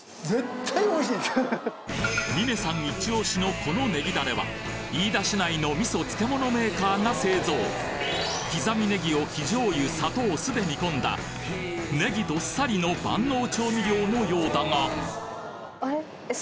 峰さんイチオシのこのねぎだれは飯田市内の味噌・漬物メーカーが製造刻みネギを生醤油砂糖酢で煮込んだネギどっさりの万能調味料のようだがあれ？